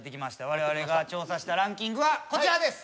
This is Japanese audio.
我々が調査したランキングはこちらです。